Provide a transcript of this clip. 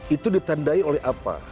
itu ditandai oleh apa